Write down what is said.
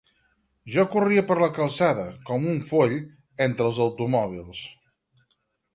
Jo corria per la calçada, com un foll, entre els automòbils.